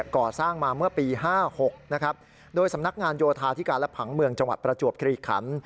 ก่อสร้างมาเมื่อปี๕๖นะครับโดยสำนักงานโยธาธิการและผังเมืองจังหวัดประจวบคลีขัน